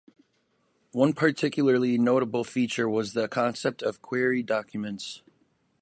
One particularly notable feature was the concept of "query documents".